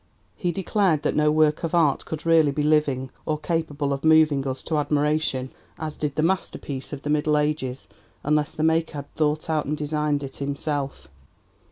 He declared that no work of art could really be 'living' or capable of moving us to admiration as did the masterpieces of the Middle Ages unless the maker had thought out and designed it himself.